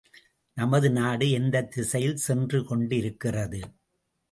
நமது நாடு எந்தத் திசையில் சென்று கொண்டிருக்கிறது?